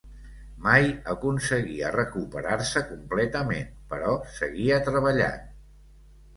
Mai aconseguia recuperar-se completament, però seguia treballant.